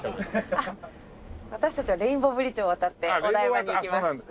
あっ私たちはレインボーブリッジを渡ってお台場に行きます。